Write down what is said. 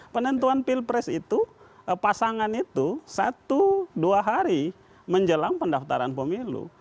penentuan pilpres itu pasangan itu satu dua hari menjelang pendaftaran pemilu